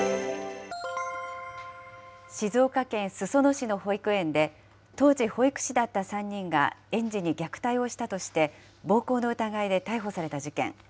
静岡県裾野市の保育園で、当時、保育士だった３人が園児に虐待をしたとして、暴行の疑いで逮捕された事件。